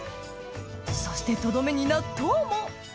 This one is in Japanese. そしてとどめに納豆も！